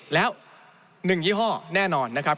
แล้ว๑ยี่ห้อแน่นอนนะครับ